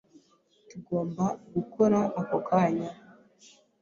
Tugomba gukora ako kanya.